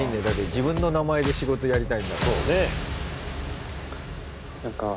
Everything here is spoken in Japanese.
だって自分の名前で仕事やりたいんだもん。